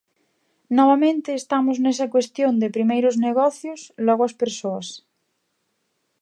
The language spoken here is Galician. Novamente estamos nesa cuestión de primeiro os negocios, logo as persoas.